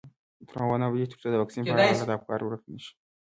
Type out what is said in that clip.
افغانستان تر هغو نه ابادیږي، ترڅو د واکسین په اړه غلط افکار ورک نشي.